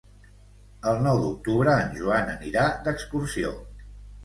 El nou d'octubre en Joan anirà d'excursió.